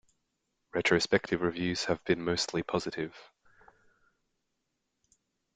Retrospective reviews have been mostly positive.